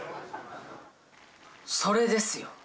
それですよ！